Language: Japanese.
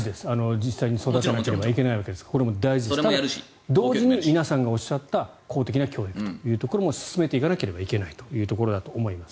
実際に育てなければいけないので大事ですが同時に、皆さんがおっしゃった公的な教育というところも進めていかないといけないということだと思います。